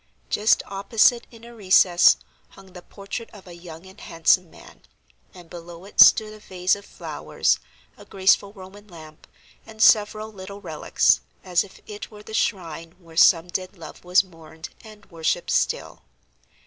Just opposite, in a recess, hung the portrait of a young and handsome man, and below it stood a vase of flowers, a graceful Roman lamp, and several little relics, as if it were the shrine where some dead love was mourned and worshipped still.